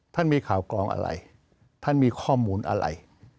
มีข่าวกรองอะไรท่านมีข้อมูลอะไร